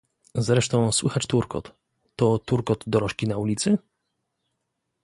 "Zresztą słychać turkot... To turkot dorożki na ulicy?..."